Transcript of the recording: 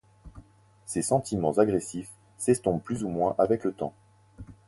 Ces sentiments agressifs s'estompent plus ou moins avec le temps.